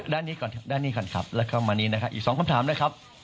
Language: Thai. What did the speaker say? ด้านนี้ก่อนด้านนี้ก่อนครับแล้วก็มานี้นะครับอีก๒คำถามนะครับ